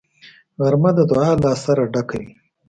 غرمه د دعا له اثره ډکه وي